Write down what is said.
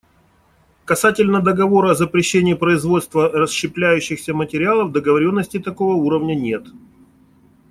Касательно договора о запрещении производства расщепляющихся материалов договоренности такого уровня нет.